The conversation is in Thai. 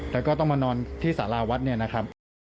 แล้วก็ต้องมานอนที่สาราวัดเนี่ยนะครับ